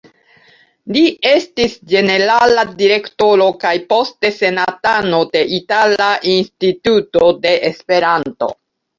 Li estis ĝenerala direktoro kaj poste senatano de Itala Instituto de Esperanto.